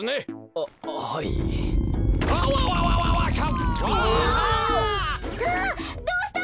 あっどうしたの？